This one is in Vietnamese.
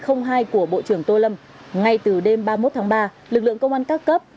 trong mệnh hai của bộ trưởng tô lâm ngay từ đêm ba mươi một tháng ba lực lượng công an các cấp